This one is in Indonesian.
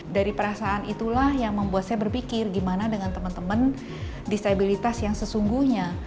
dari perasaan itulah yang membuat saya berpikir gimana dengan teman teman disabilitas yang sesungguhnya